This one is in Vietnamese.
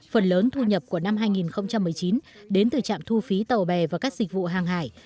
phần lớn thu nhập của năm hai nghìn một mươi chín đến từ trạm thu phí tàu bè và các dịch vụ hàng hải